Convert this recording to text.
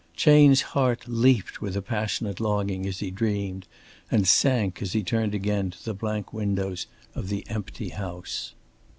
Chayne's heart leaped with a passionate longing as he dreamed, and sank as he turned again to the blank windows of the empty house.